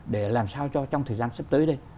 để làm sao cho trong thời gian sắp tới đây